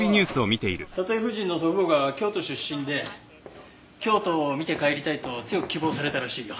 サトエ夫人の祖父母が京都出身で京都を見て帰りたいと強く希望されたらしいよ。